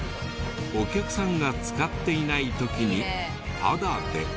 お客さんが使っていない時にタダで。